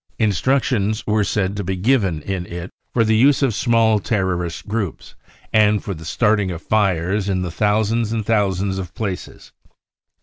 Instructions were said to be given in it for the use of small terrorist groups, and for the starting of fires in thousands and thousands of places.